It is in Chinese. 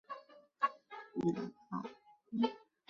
米拉贝奥巴罗涅。